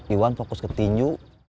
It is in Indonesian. iwan fokus ke tinyu